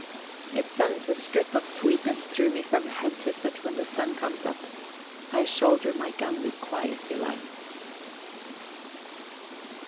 It sends a strip of sweetness through me from head to foot when the sun comes up; I shoulder my gun with quiet delight.